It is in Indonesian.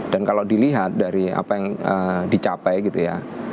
dan kalau dilihat dari apa yang dicapai gitu ya